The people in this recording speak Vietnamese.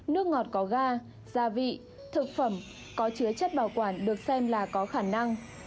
nước ngọt có ga gia vị thực phẩm có chứa chất bảo quản được xem là có khả năng